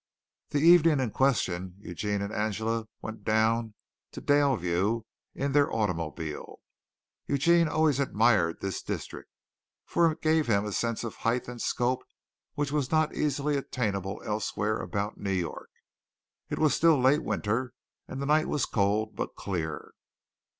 The evening in question Eugene and Angela went down to Daleview in their automobile. Eugene always admired this district, for it gave him a sense of height and scope which was not easily attainable elsewhere about New York. It was still late winter and the night was cold but clear.